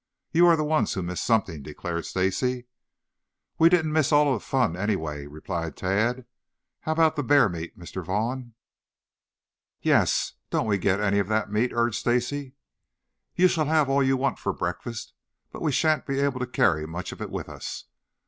You are the ones who missed something," declared Stacy. "We didn't miss all of the fun, anyway," replied Tad. "How about the bear meat, Mr. Vaughn?" "Yes, don't we get any of that meat?" urged Stacy. "You shall all have all you want for breakfast, but we shan't be able to carry much of it with us.